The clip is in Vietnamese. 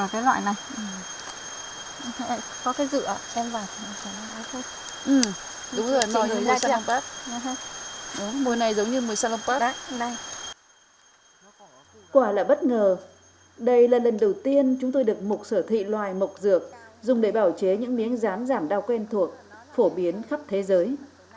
quả là bất ngờ đây là lần đầu tiên chúng tôi được mục sở thị loài mộc dược dùng để bảo chế những miếng rán giảm đau quen thuộc phổ biến khắp thế giới